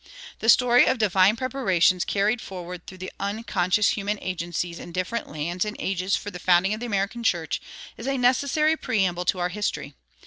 This story of the divine preparations carried forward through unconscious human agencies in different lands and ages for the founding of the American church is a necessary preamble to our history.